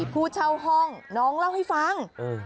ผู้เช่าห้องน้องเล่าให้ฟัง